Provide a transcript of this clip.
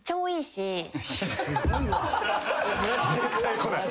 絶対来ない。